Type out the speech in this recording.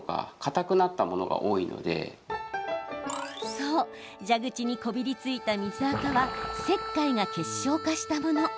そう、蛇口にこびりついた水あかは石灰が結晶化したもの。